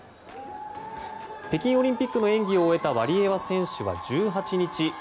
北京オリンピックの演技を終えたワリエワ選手は１８日